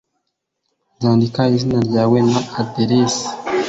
nzandika izina ryawe na aderesi